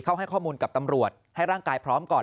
เขาให้ข้อมูลกับตำรวจให้ร่างกายพร้อมก่อน